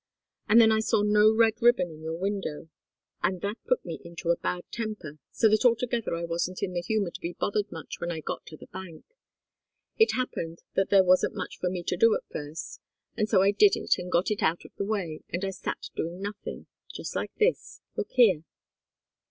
And then I saw no red ribbon in your window and that put me into a bad temper, so that altogether I wasn't in the humour to be bothered much when I got to the bank. It happened that there wasn't much for me to do at first, and so I did it, and got it out of the way, and I sat doing nothing just like this look here!"